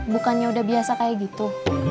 bukannya udah biasa kayak gitu